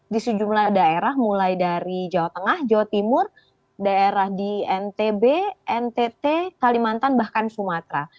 di sejumlah daerah mulai dari jawa tengah jawa timur daerah di ntb ntt kalimantan bahkan sumatera